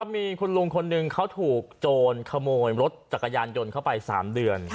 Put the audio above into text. มีคุณลุงคนหนึ่งเขาถูกโจรขโมยรถจักรยานยนต์เข้าไป๓เดือน